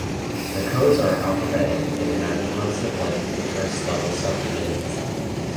The codes are alphabetic and have constant length for the first level subdivisions.